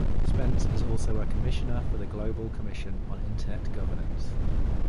Spence is also a Commissioner for the Global Commission on Internet Governance.